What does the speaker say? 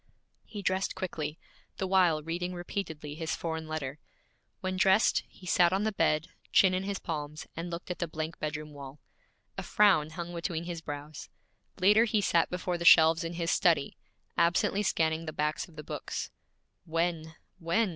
He dressed quickly, the while reading repeatedly his foreign letter. When dressed, he sat on the bed, chin in his palms, and looked at the blank bedroom wall. A frown hung between his brows. Later he sat before the shelves in his study, absently scanning the backs of the books. 'When? When?'